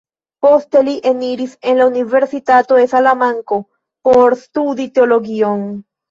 Poste li eniris en la Universitato de Salamanko, por studi Teologion.